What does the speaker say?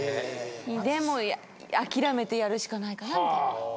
でも諦めてやるしかないかなみたいな。